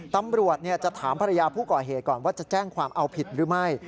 ตำรวจจะถามภรรยาผู้ก่อเหตุก่อนว่าจะแจ้งความเอาผิดหรือไม่